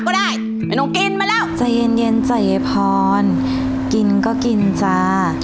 ก็ได้แต่หนูกินมาแล้วใจเย็นเย็นใจพรกินก็กินจ้า